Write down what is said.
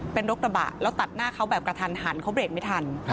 เป็นรถกระบะแล้วตัดหน้าเขาแบบกระทันหันเขาเบรกไม่ทัน